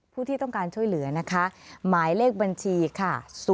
ที่ต้องการช่วยเหลือนะคะหมายเลขบัญชีค่ะ